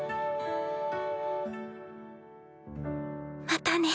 またね。